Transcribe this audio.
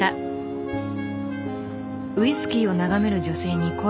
ウイスキーを眺める女性に声をかけた。